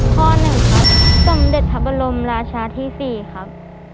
ข้อ๑ครับสมเด็จพระบรมราชาที่๔ครับ